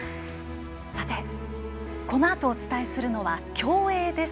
このあとお伝えするのは競泳です。